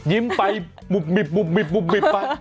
ยิ้มไปบุบไป